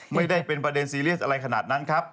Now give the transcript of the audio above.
ไม่ได้เป็นประเด็นซีเรียสอะไรขนาดนั้นครับ